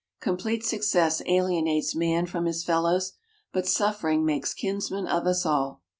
Complete success alienates man from his fellows, but suffering makes kinsmen of us all.